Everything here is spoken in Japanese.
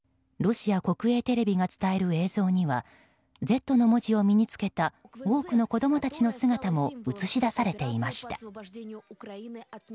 ロシア国営テレビが伝える映像には「Ｚ」の文字を身に着けた多くの子供たちの姿も映し出されていました。